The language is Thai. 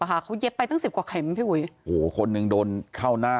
เขาเย็บไปตั้งสิบกว่าเข็มภูยี่โหคนนึงโดนเข้าหน้า